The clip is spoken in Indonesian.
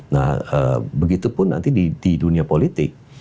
nah begitu pun nanti di dunia politik